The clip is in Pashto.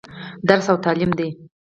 درس او تعليم دى.